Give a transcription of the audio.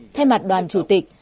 thay mặt đoàn chủ tịch